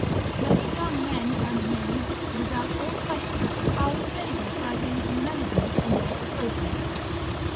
Many young men and maids, without all question, are inveigled by these Eumenides and their associates.